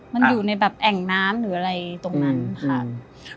มันอยู่ในแบบแอ่งน้ำหรืออะไรตรงนั้นค่ะ